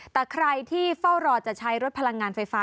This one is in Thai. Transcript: แต่ใครที่เฝ้ารอจะใช้รถพลังงานไฟฟ้า